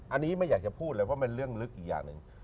อันนี้ไม่อยากจะพูดเลยเพราะมันเรื่องลึกอีกอย่างหนึ่ง